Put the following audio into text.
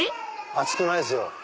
熱くないですよ。